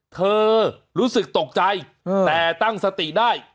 รู้สึกตกใจแต่ตั้งสติได้